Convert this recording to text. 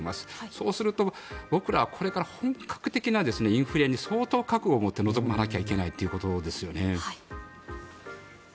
そうすると僕らはこれから本格的なインフレに相当覚悟を持って臨まなきゃいけないということですよね。